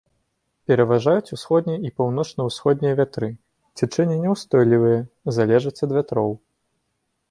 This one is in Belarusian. Пераважаюць усходнія і паўночна-ўсходнія вятры, цячэнні няўстойлівыя, залежаць ад вятроў.